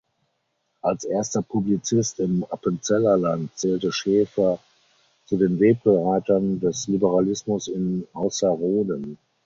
Als erster Publizist im Appenzellerland zählte Schefer zu den Wegbereitern des Liberalismus in Ausserrhoden.